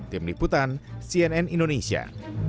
tim liputan cnn indonesia